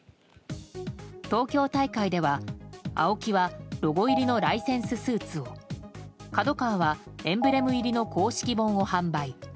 東京大会では、ＡＯＫＩはロゴ入りのライセンススーツをＫＡＤＯＫＡＷＡはエンブレム入りの公式本を販売。